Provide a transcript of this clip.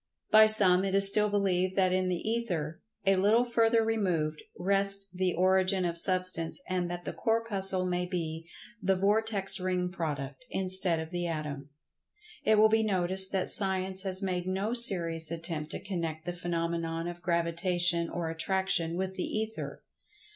By some it is still believed that in the Ether, a little further removed, rests the origin of Substance and that the Corpuscle may be the "vortex ring" product, instead of the Atom. It will be noticed that Science has made no serious attempt to connect the phenomenon of Gravitation or Attraction with the Ether.